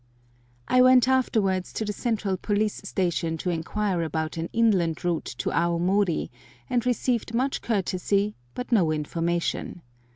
I went afterwards to the central police station to inquire about an inland route to Aomori, and received much courtesy, but no information.